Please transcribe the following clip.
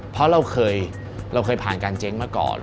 เพราะเราเคยผ่านการเจ๊งมาก่อน